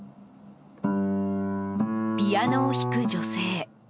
ピアノを弾く女性。